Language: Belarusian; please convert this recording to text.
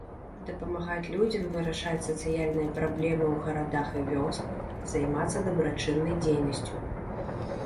Дапамагаць людзям вырашаць сацыяльныя праблемы ў гарадах і вёсках, займацца дабрачыннай дзейнасцю.